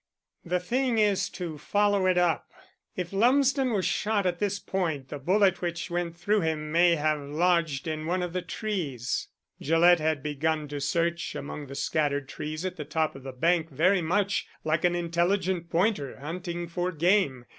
The thing is to follow it up. If Lumsden was shot at this point the bullet which went through him may have lodged in one of the trees." Gillett had begun to search among the scattered trees at the top of the bank very much like an intelligent pointer hunting for game.